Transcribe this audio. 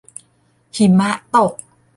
หิมะตก